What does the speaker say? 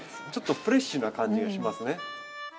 ちょっとフレッシュな感じがしますね。